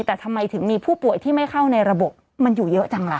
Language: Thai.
แต่ทำไมถึงมีผู้ป่วยที่ไม่เข้าในระบบมันอยู่เยอะจังล่ะ